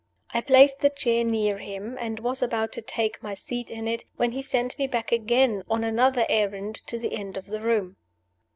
I placed the chair near him, and was about to take my seat in it, when he sent me back again, on another errand, to the end of the room.